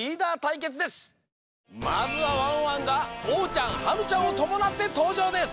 まずはワンワンがおうちゃんはるちゃんをともなってとうじょうです！